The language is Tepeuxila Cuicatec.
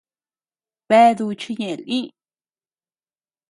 Bea duchi ñeʼe lï.